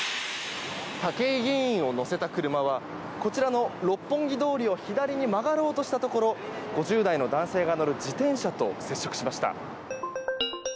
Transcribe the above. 武井議員を乗せた車はこちらの六本木通りを左に曲がろうとしたところ５０代の男性が乗る自転車と接触しました。